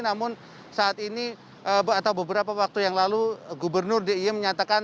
namun saat ini atau beberapa waktu yang lalu gubernur d i e menyatakan